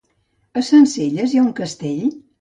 A Sencelles hi ha un castell?